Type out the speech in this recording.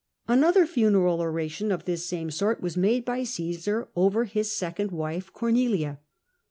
Another funeral oration of this same sort was made by Otesar over his second wife, Cornelia.